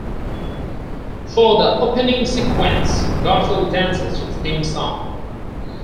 For the opening sequence, Garfield dances to the theme song.